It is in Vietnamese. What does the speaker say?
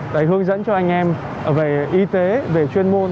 để hướng dẫn cho anh em về y tế về chuyên môn